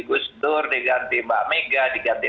gus dur diganti mbak mega diganti